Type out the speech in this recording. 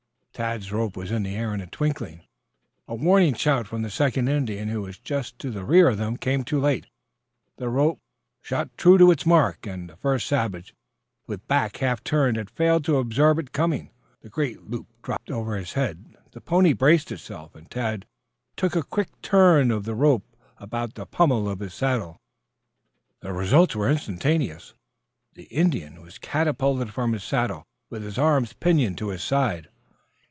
Tad's rope was in the air in a twinkling. A warning shout from the second Indian, who was just to the rear of them, came too late. The rope shot true to its mark and the first savage, with back half turned, had failed to observe it coming. The great loop dropped over his head. The pony braced itself and Tad took a quick turn of the rope about the pommel of his saddle. The result was instantaneous. The Indian was catapulted from his saddle with arms pinioned to his aide.